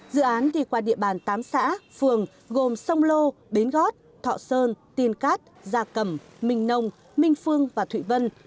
dự án đi qua địa bàn tám xã phường gồm sông lô bến gót thọ sơn tiên cát gia cầm minh nông minh phương và thụy vân